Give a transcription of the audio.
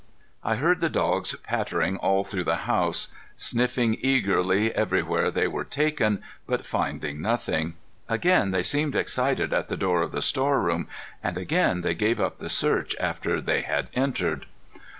I heard the dogs pattering all through the house, sniffing eagerly everywhere they were taken, but finding nothing. Again they seemed excited at the door of the storeroom, and again they gave up the search after they had entered.